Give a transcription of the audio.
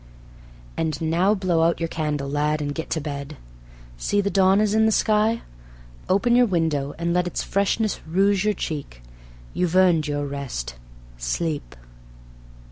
"And now, blow out your candle, lad, and get to bed. See, the dawn is in the sky. Open your window and let its freshness rouge your cheek. You've earned your rest. Sleep."